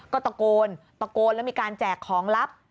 ก็ตะโกนตะโกนแล้วมีการแจกของลับ